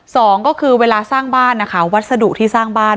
สองก็คือเวลาสร้างบ้านนะคะวัสดุที่สร้างบ้าน